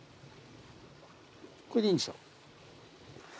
これでいいんでしょ。